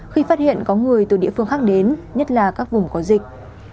khi phát hiện có người từ địa phương khác đến nhất là các vùng có dịch